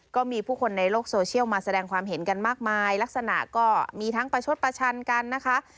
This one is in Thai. ก็มีผู้คนในโลกโซเชียลมาแสดงความเห็นกันมากมายลักษณะก็มีทั้งประชดประชันกันนะคะ